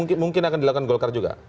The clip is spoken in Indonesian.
itu mungkin akan dilakukan golka juga